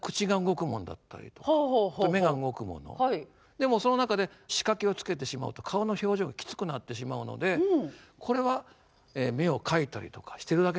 でもその中で仕掛けをつけてしまうと顔の表情がきつくなってしまうのでこれは目を描いたりとかしてるだけなんですね。